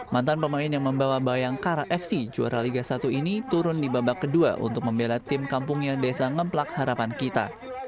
mantan pemain yang membawa bayangkara fc juara liga satu ini turun di babak kedua untuk membela tim kampungnya desa ngeplak harapan kita